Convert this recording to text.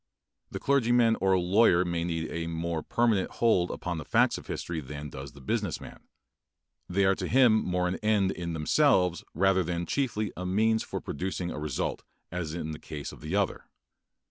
The clergyman or lawyer may need a more permanent hold upon the facts of history than does the business man. They are to him more an end in themselves rather than chiefly a means for producing a result, as in the case of the other.